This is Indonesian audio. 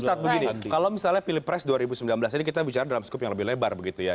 ustadz begini kalau misalnya pilpres dua ribu sembilan belas ini kita bicara dalam skup yang lebih lebar begitu ya